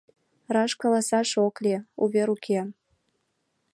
— Раш каласаш ок лий, увер уке.